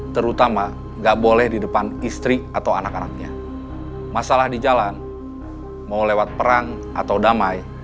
terus kita akan menyerang lawan